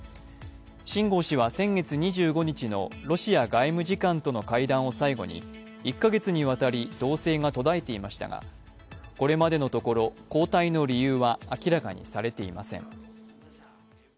秦剛氏は先月２５日のロシア外務次官との会談を最後に１か月にわたり動静が途絶えていましたが、これまでのところ交代の理由は明らかにされていません。